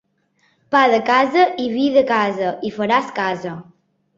Pa de casa i vi de casa i faràs casa.